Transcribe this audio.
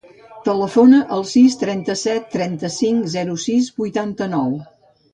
Telefona al sis, trenta-set, trenta-cinc, zero, sis, vuitanta-nou.